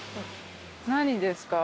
何ですか？